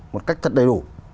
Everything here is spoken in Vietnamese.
một cách thật đầy đủ